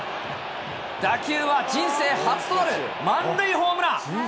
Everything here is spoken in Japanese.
打球は人生初となる満塁ホームラン。